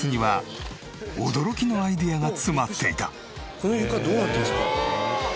この床どうなってるんですか？